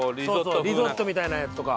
そうそうリゾットみたいなやつとか。